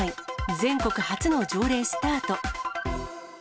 全国初の条例スタート。